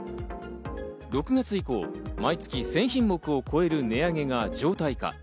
６月以降、毎月１０００品目を超える値上げが常態化。